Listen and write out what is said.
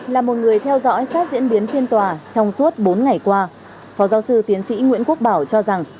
là một người theo dõi sát diễn biến phiên tòa trong suốt bốn ngày qua phó giáo sư tiến sĩ nguyễn quốc bảo cho rằng